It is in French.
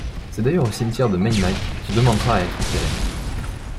C’est d’ailleurs au cimetière de Meymac qu’il demandera à être enterré.